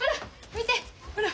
見てほら。